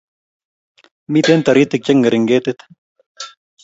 Miten toritik chengering ketit